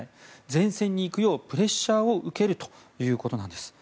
前線に行くようプレッシャーを受けるということなんです。